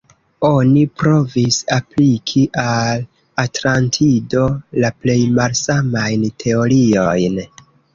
Oni provis apliki al Atlantido la plej malsamajn teoriojn.